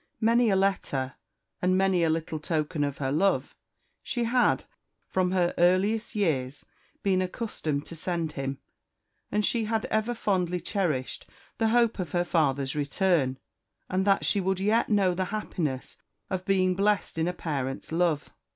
Many a letter, and many a little token of her love, she had, from her earliest years, been accustomed to send him; and she had ever fondly cherished the hope of her father's return, and that she would yet know the happiness of being blest in a parent's love.